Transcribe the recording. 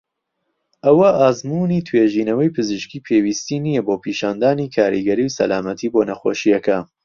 ئەوە ئەزموونی توێژینەوەی پزیشکی پێویستی نیە بۆ پیشاندانی کاریگەری و سەلامەتی بۆ نەخۆشیەکە.